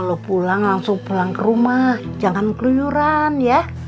nek buat ke toko buku dulu ya beli buka sama denny